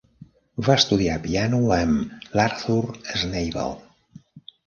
Va estudiar piano amb l"Arthur Schnabel.